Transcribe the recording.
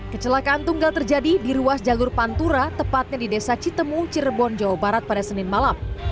kecelakaan tunggal terjadi di ruas jalur pantura tepatnya di desa citemu cirebon jawa barat pada senin malam